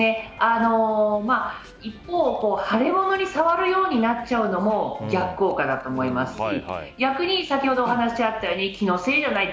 一方、腫れ物に触るようになっちゃうのも逆効果だと思いますし逆に先ほどお話があったように気のせいじゃない？